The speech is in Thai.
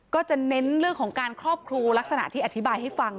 ก็จะเน้นเรื่องของการครอบครูลักษณะที่อธิบายให้ฟัง